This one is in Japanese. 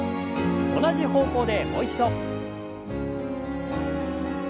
同じ方向でもう一度。